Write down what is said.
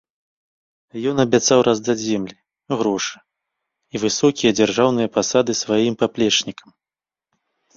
Ён абяцаў раздаць землі, грошы і высокія дзяржаўныя пасады сваім паплечнікам.